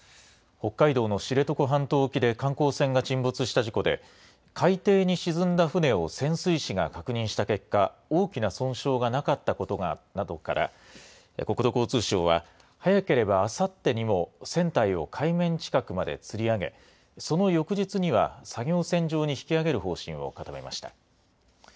北海道の知床半島沖で観光船が沈没した事故で、海底に沈んだ船を潜水士が確認した結果、大きな損傷がなかったことなどから、国土交通省は、早ければあさってにも、船体を海面近くまでつり上げ、その翌日には、作業船上に引き揚げる方針を固めました。